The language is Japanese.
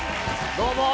どうも！